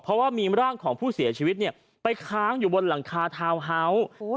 เพราะว่ามีร่างของผู้เสียชีวิตเนี่ยไปค้างอยู่บนหลังคาทาทาวน์เฮาส์